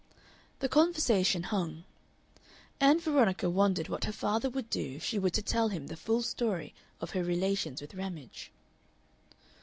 The conversation hung. Ann Veronica wondered what her father would do if she were to tell him the full story of her relations with Ramage.